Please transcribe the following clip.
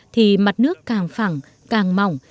thì mặt nước càng phẳng càng mỏng